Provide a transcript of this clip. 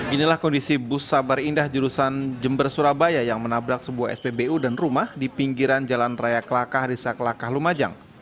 inilah kondisi bus sabar indah jurusan jember surabaya yang menabrak sebuah spbu dan rumah di pinggiran jalan raya kelakah di saklakah lumajang